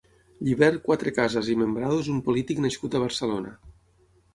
Llibert Cuatrecasas i Membrado és un polític nascut a Barcelona.